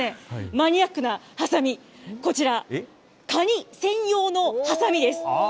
マニアックなはさみ、こちら、カニ専用のはさみです。